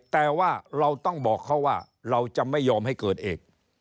แต่ว่าเราต้องบอกเขาว่าเราจะไม่ยอมให้เกิดเอก